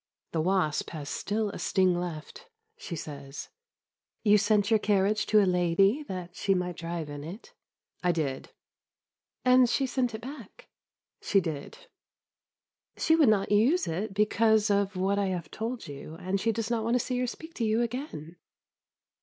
The wasp has still a sting left; she says, "You sent your carriage to a lady, that she might drive in it?" "I did." "And she sent it back." "She did." "She would not use it because of what I have told you, and she does not want to see or speak to you again!"